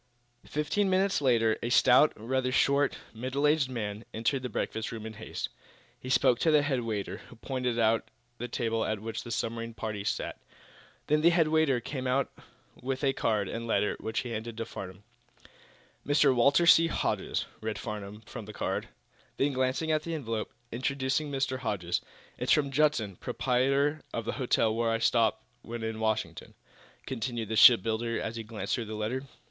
Fifteen minutes later a stout, rather short, middle aged man entered the breakfast room in haste. He spoke to the head waiter, who pointed out the table at which the submarine party sat. Then the head waiter came over with a card and a letter which he handed to Farnum. "'Mr. Walter C. Hodges,'" read Farnum, from the card. Then, glancing at the envelope "'Introducing Mr. Hodges.' It's from Judson, proprietor of the hotel where I stop when in Washington," continued the shipbuilder, as he glanced through the letter.